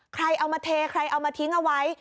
ใครเอามาเทใครเอามาทิ้งเอาไว้